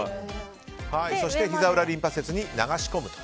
そして、ひざ裏リンパ節に流し込む。